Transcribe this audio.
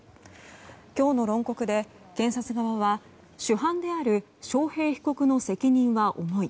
今日の論告で検察側は主犯である章平被告の責任は重い